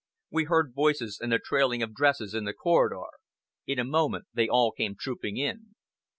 We heard voices and the trailing of dresses in the corridor. In a moment they all came trooping in.